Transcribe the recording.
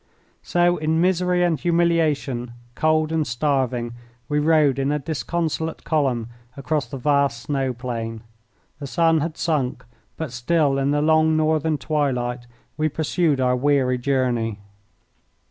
So in misery and humiliation, cold and starving, we rode in a disconsolate column across the vast snow plain. The sun had sunk, but still in the long northern twilight we pursued our weary journey.